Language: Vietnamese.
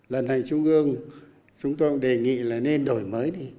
lần này trung ương chúng tôi cũng đề nghị là nên đổi mới đi